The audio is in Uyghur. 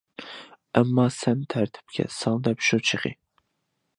ئەمما سەن تەرتىپكە سال دەل شۇ چېغى.